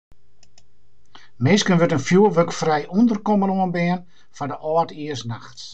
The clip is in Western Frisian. Minsken wurdt in fjoerwurkfrij ûnderkommen oanbean foar de âldjiersnacht.